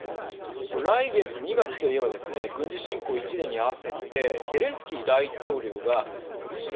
これ、来月２月といえばですね軍事侵攻１年に合わせてゼレンスキー大統領がこちら。